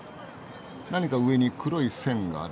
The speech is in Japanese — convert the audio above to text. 何か上に黒い線がある。